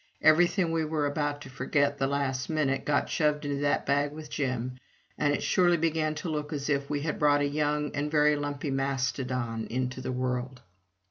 Everything we were about to forget the last minute got shoved into that bag with Jim, and it surely began to look as if we had brought a young and very lumpy mastodon into the world!